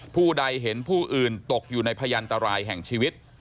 ผู้ใดเห็นผู้อื่นตกอยู่ในพยันตรายแห่งชีวิต